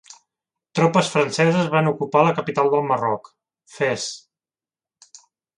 Tropes franceses van ocupar la capital del Marroc, Fes.